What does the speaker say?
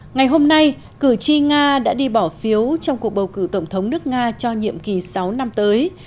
ngày hôm nay cử tri nga đã đi bỏ phiếu trong cuộc bầu cử tổng thống nước nga cho nhiệm kỳ sáu năm tới